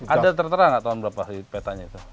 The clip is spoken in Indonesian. ada tertera nggak tahun berapa petanya itu